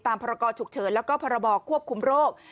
ตามพรกชุกเฉินและก็พบควบคุมโรค